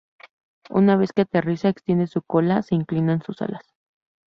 Una vez que aterriza, extiende su cola e inclina sus alas.